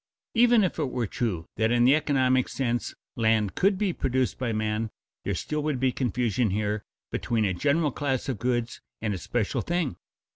Even if it were true that in the economic sense land could be produced by man, there still would be confusion here between a general class of goods and a special thing.